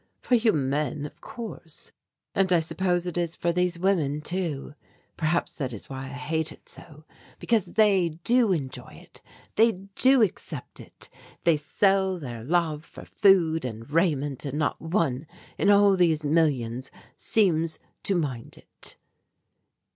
"For you men of course and I suppose it is for these women too perhaps that is why I hate it so, because they do enjoy it, they do accept it. They sell their love for food and raiment, and not one in all these millions seems to mind it."